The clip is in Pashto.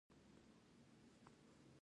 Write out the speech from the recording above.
دلته د ښې زده کړې لپاره عملي لارښوونې شته.